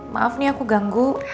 maaf nih aku ganggu